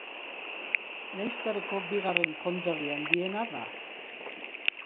Leinsterreko bigarren konderri handiena da.